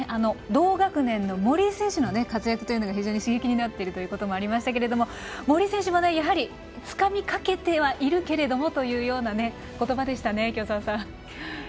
同学年の森井選手の活躍というのが非常に刺激になっているというお話がありましたけれども森井選手もつかみかけてはいるけれどもということばでしたね、清澤さん。